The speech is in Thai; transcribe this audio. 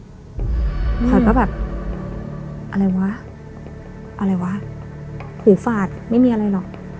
เขาก็แบบอะไรวะอะไรวะหูฝาดไม่มีอะไรหรอก